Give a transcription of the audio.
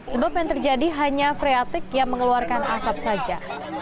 sebab yang terjadi hanya freatik yang mengeluarkan asap saja